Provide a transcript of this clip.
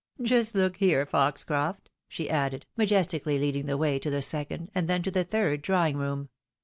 " Just look here, Foxcroft," she added, majestically leading the way to the second, and then to the third drawing room.